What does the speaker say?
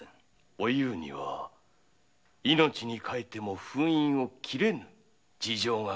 おゆうには命に代えても封印を切れぬ事情がございます。